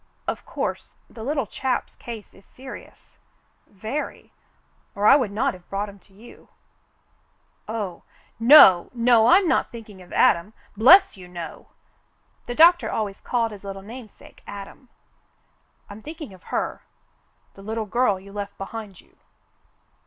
"Of course the little chap's case is serious — very — or I would not have brought him to you." "Oh, no, no, I'm not thinking of Adam, bless you, no." The doctor always called his little namesake Adam. "I'm thinking of her — the little girl you left behind you.